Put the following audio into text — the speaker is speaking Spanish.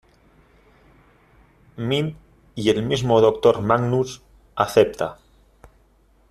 Mind, y el mismo Doctor Magnus acepta.